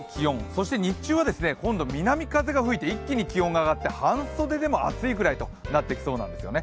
そして日中は今度南風が吹いて一気に気温が上がって半袖でも暑いぐらいとなってきそうなんですね